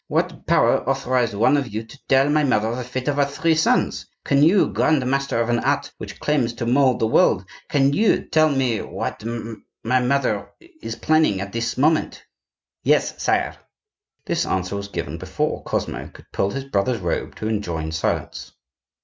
What power authorized one of you to tell my mother the fate of her three sons? Can you, grand master of an art which claims to mould the world, can you tell me what my mother is planning at this moment?" "Yes, sire." This answer was given before Cosmo could pull his brother's robe to enjoin silence.